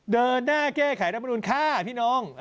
เดินหน้าแก้ไขรัฐมนุนฆ่าพี่น้อง